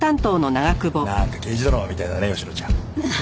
なんか刑事ドラマみたいだね吉野ちゃん。